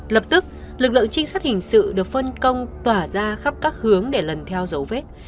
lập tức lực lượng trinh sát hình sự được phân công tỏa ra khắp các hướng để lần theo dấu vết